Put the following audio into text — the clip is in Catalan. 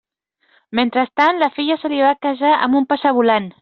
Mentrestant, la filla se li va casar amb un passavolant.